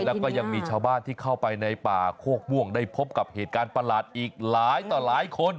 แล้วก็ยังมีชาวบ้านที่เข้าไปในป่าโคกม่วงได้พบกับเหตุการณ์ประหลาดอีกหลายต่อหลายคน